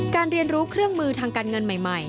เรียนรู้เครื่องมือทางการเงินใหม่